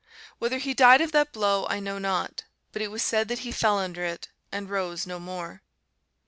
Whether he died of that blow I know not, but it was said that he fell under it, and rose no more.